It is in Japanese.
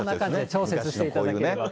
調節していただければ。